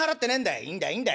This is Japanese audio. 「いいんだいいいんだい。